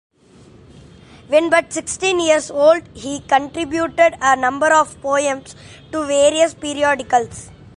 When but sixteen years old he contributed a number of poems to various periodicals.